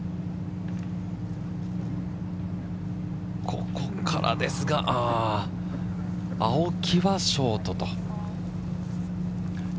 ここからですが、青木はショート。